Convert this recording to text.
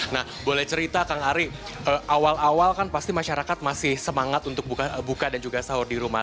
nah boleh cerita kang ari awal awal kan pasti masyarakat masih semangat untuk buka dan juga sahur di rumah